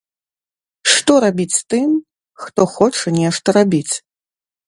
Што рабіць тым, хто хоча нешта рабіць?